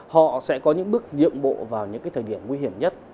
họ sẽ có những bước nhiệm bộ vào những cái thời điểm nguy hiểm nhất